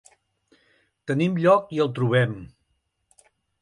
Tenim lloc i el trobem.